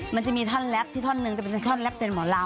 มันจะมีท่อนแลปที่ท่อนหนึ่งจะเป็นท่อนแป๊บเป็นหมอลำ